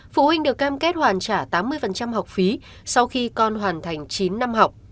phụ huynh được cam kết hoàn trả tám mươi học phí sau khi con hoàn thành chín năm học